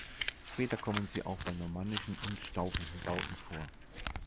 Später kommen sie auch bei normannischen und staufischen Bauten vor.